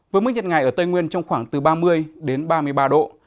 với mức nhiệt ngày ở tây nguyên trong khoảng từ ba mươi đến ba mươi ba độ